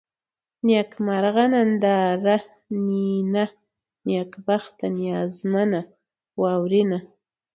نېکمرغه ، ننداره ، نينه ، نېکبخته ، نيازمنه ، واورېنه